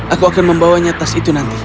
aku akan membawanya tas itu nanti